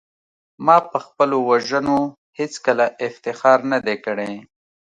ما په خپلو وژنو هېڅکله افتخار نه دی کړی